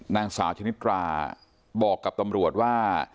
นางสาวชนิดราบอกกับตำรวจว่า